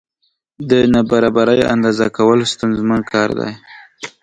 د نابرابرۍ اندازه کول ستونزمن کار دی.